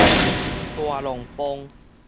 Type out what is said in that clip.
大龍泵